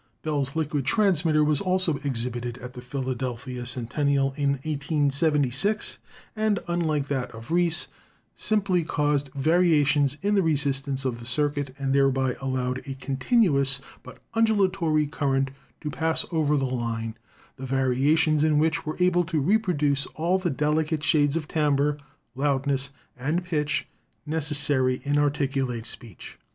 Bell's liquid transmitter was also exhibited at the Philadelphia Centennial in 1876, and, unlike that of Reis, simply caused variations in the resistance of the circuit, and thereby allowed a continuous but undulatory current to pass over the line, the variations in which were able to reproduce all the delicate shades of timbre, loudness and pitch necessary in articulate speech.